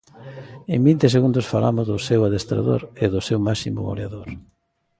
En vinte segundos falamos do seu adestrador e do seu máximo goleador.